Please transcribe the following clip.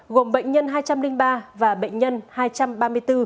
gồm bệnh nhân hai trăm linh ba và bệnh nhân hai trăm ba mươi bốn